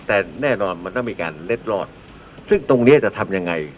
แต่แน่นอนมันต้องมีการเล็ดรอดซึ่งตรงเนี้ยจะทำยังไง